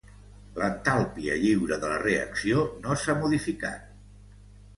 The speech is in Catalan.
L'entalpia lliure de la reacció no s'ha modificat.